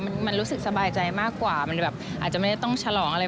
มันรู้สึกสบายใจมากกว่ามันแบบอาจจะไม่ได้ต้องฉลองอะไร